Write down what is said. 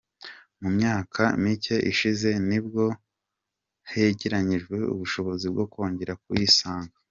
Mu myaka mike ishize nibwo hegeranyijwe ubushobozi bwo kongera kuyisana.